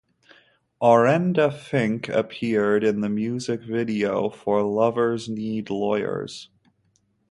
Orenda Fink appeared in the music video for Lovers Need Lawyers.